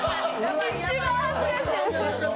一番恥ずかしい。